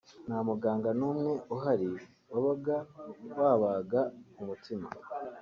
nta muganga n’umwe uhari wabaga wabaga umutima